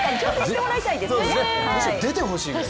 むしろ出てほしいです。